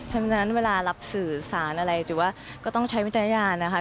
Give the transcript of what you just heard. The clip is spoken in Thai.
ฉะนั้นเวลารับสื่อสารอะไรแต่ว่าก็ต้องใช้วิจารณญาณนะคะ